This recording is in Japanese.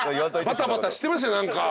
バタバタしてましたよ何か。